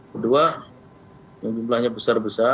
kedua yang jumlahnya besar besar